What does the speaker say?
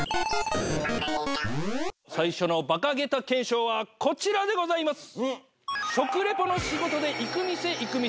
最初のバカ桁検証はこちらでございます！